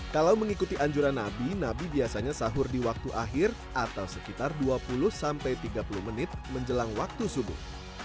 kalau mengikuti anjuran nabi nabi biasanya sahur di waktu akhir atau sekitar dua puluh sampai tiga puluh menit menjelang waktu subuh